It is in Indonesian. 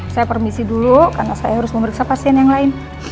saya permisi dulu karena saya harus memeriksa pasien yang lain